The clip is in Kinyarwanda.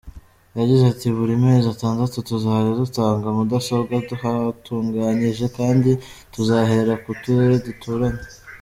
Yagize ati “Buri mezi atandatu tuzajya dutanga mudasobwa twatunganyije kandi tuzahera ku turere duturanye.